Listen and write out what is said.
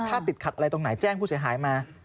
ถ้าติดขัดอะไรตรงไหนแจ้งผู้เสียหายมา